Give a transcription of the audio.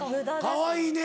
「かわいいね」。